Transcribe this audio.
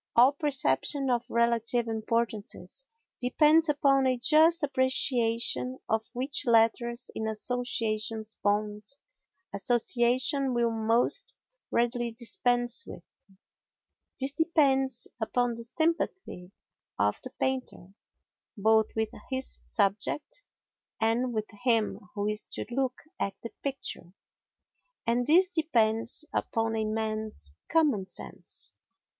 All perception of relative importances depends upon a just appreciation of which letters in association's bond association will most readily dispense with. This depends upon the sympathy of the painter both with his subject and with him who is to look at the picture. And this depends upon a man's common sense.